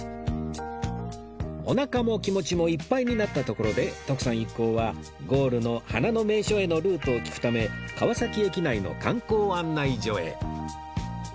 おなかも気持ちもいっぱいになったところで徳さん一行はゴールの花の名所へのルートを聞くため川崎駅内の観光案内所へ